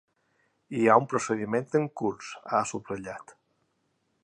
Hi ha un procediment en curs, ha subratllat.